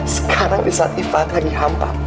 sekarang disaat ivan lagi hampa